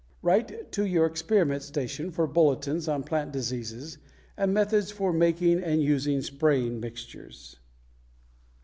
Write to your experiment station for bulletins on plant diseases and methods for making and using spraying mixtures.